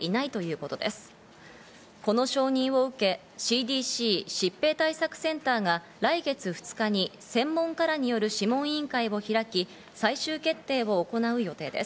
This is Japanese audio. この承認を受け、ＣＤＣ＝疾病対策センターが来月２日に専門家らによる諮問委員会を開き、最終決定を行う予定です。